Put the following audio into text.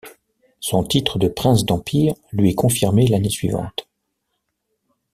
Son titre de prince d'Empire lui est confirmé l'année suivante.